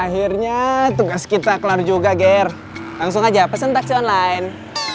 akhirnya tugas kita kelar juga ger langsung aja pesan taksi online